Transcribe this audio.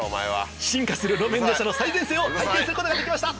進化する路面電車の最前線を体験することができました！